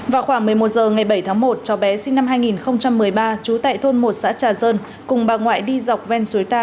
vào khoảng một mươi một h ngày bảy tháng một cháu bé sinh năm hai nghìn một mươi ba trú tại thôn một xã trà sơn cùng bà ngoại đi dọc ven suối ta